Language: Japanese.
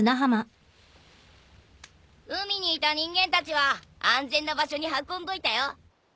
海にいた人間たちは安全な場所に運んどいたよ。